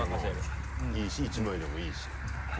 何枚でもいいし１枚でもいいし。